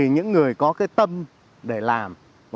những người có cái tâm để làm